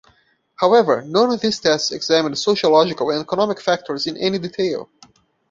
However, none of these tests examined sociological and economic factors in any detail.